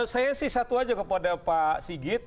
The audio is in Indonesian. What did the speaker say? saya sih satu aja kepada pak sigit